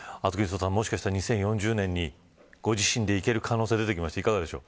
もしかしたら２０４０年に、ご自身で行ける可能性が出てきました。